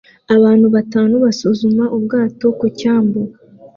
Abantu batanu basuzuma ubwato ku cyambu